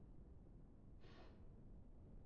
Udaberrizalea zara ala ez?